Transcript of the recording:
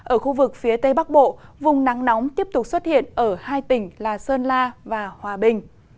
ở khu vực phía tây bắc bộ vùng nắng nóng tiếp tục xuất hiện ở hai tỉnh là sơn la và hòa bình